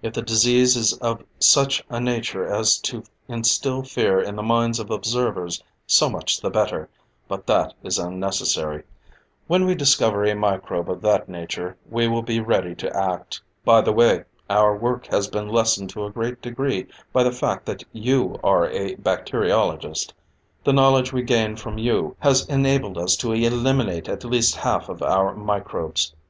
If the disease is of such a nature as to instill fear in the minds of observers, so much the better; but that is unnecessary. When we discover a microbe of that nature, we will be ready to act. "By the way, our work has been lessened to a great degree by the fact that you are a bacteriologist. The knowledge we gain from you has enabled us to eliminate at least half of our microbes.